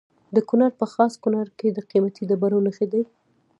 د کونړ په خاص کونړ کې د قیمتي ډبرو نښې دي.